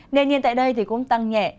nền nhiên tại đây cũng tăng nhẹ